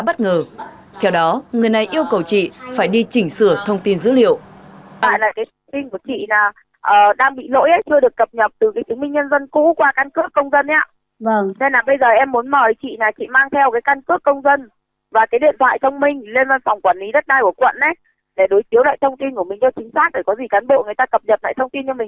để có gì cán bộ người ta cập nhật lại thông tin cho mình